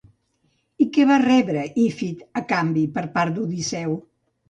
I què va rebre Ífit a canvi per part d'Odisseu?